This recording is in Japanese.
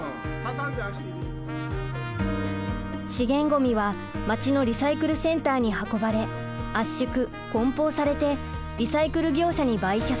資源ごみは町のリサイクルセンターに運ばれ圧縮・こん包されてリサイクル業者に売却。